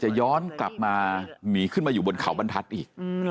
ย้อนกลับมาหนีขึ้นมาอยู่บนเขาบรรทัศน์อีก